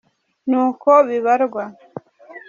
nuko bibarwa